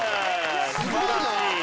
素晴らしい。